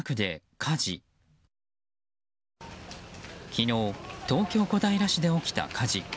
昨日東京・小平市で起きた火事。